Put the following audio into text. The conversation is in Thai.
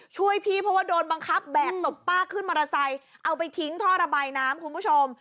ช่วยพี่เพราะว่าโดนบังคับแบกศพป้าขึ้นมอเตอร์ไซค์เอาไปทิ้งท่อระบายน้ำคุณผู้ชม